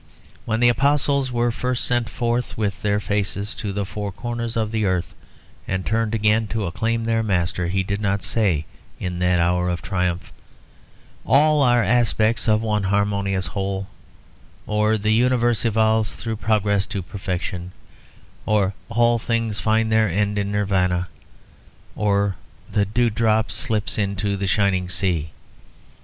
When the apostles were first sent forth with their faces to the four corners of the earth, and turned again to acclaim their master, he did not say in that hour of triumph, "All are aspects of one harmonious whole" or "The universe evolves through progress to perfection" or "All things find their end in Nirvana" or "The dewdrop slips into the shining sea."